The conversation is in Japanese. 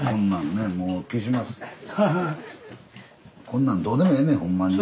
こんなんどうでもええねんほんまに。